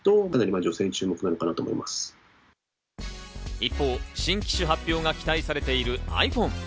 一方、新機種発表が期待されているｉＰｈｏｎｅ。